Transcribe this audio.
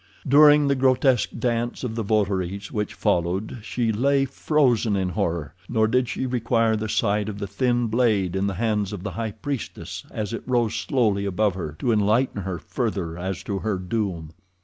During the grotesque dance of the votaries which followed, she lay frozen in horror, nor did she require the sight of the thin blade in the hands of the high priestess as it rose slowly above her to enlighten her further as to her doom.